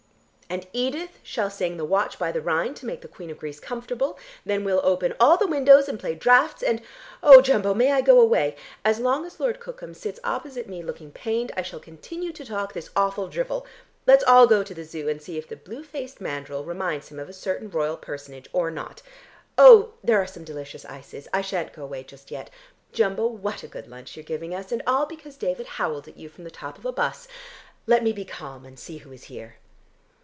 And Edith shall sing the 'Watch by the Rhine,' to make the Queen of Greece comfortable. Then, we'll open all the windows and play draughts, and oh, Jumbo, may I go away? As long as Lord Cookham sits opposite me looking pained, I shall continue to talk this awful drivel. Let's all go to the Zoo, and see if the blue faced mandrill reminds him of a certain royal personage or not. Oh, there are some delicious ices. I shan't go away just yet. Jumbo, what a good lunch you're giving us, and all because David howled at you from the top of a bus. Let me be calm, and see who is here."